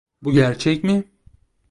Bu gerçek mi?